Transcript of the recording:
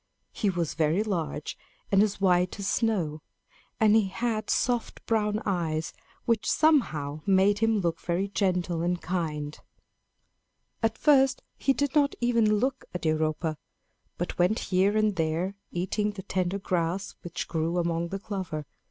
He was very large and as white as snow; and he had soft brown eyes which somehow made him look very gentle and kind. At first he did not even look at Europa, but went here and there, eating the tender grass which grew among the clover.